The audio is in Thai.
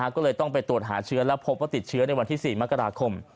ก็เลยต้องไปตรวจหาเชื้อแล้วพบว่าติดเชื้อในวันที่๔มกราคม